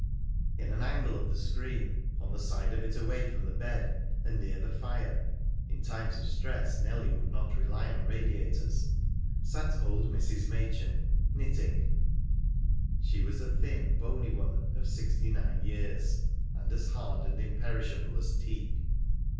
In an angle of the screen, on the side of it away from the bed and near the fire (in times of stress Nellie would not rely on radiators), sat old Mrs. Machin, knitting. She was a thin, bony woman of sixty nine years, and as hard and imperishable as teak.